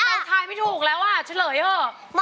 มาไทไม่ถูกแล้วติดละเยอะ